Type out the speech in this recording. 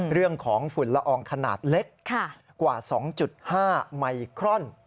เรื่องของฝุ่นละอองขนาดเล็กกว่า๒๕ไมครอน